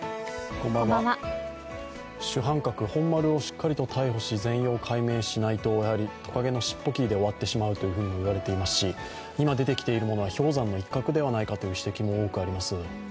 主犯格、本丸をしっかりと逮捕し、全容を解明しないと、とかげの尻尾切りではないかと言われていますし今出てきているものは氷山の一角ではないかという指摘も多くあります。